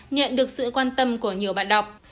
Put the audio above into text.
nhận được sự quan tâm của nhiều bạn đọc